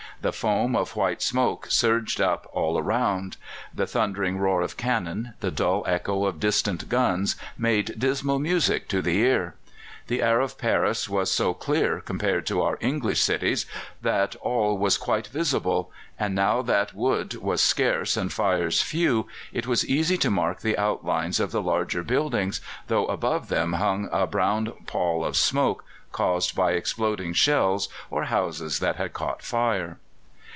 The foam of white smoke surged up all round; the thundering roar of cannon, the dull echo of distant guns made dismal music to the ear. The air of Paris is so clear compared to our English cities that all was quite visible; and now that wood was scarce and fires few, it was easy to mark the outlines of the larger buildings, though above them hung a brown pall of smoke, caused by exploding shells or houses that had caught fire.